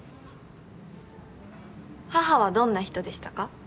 母はどんな人でしたか？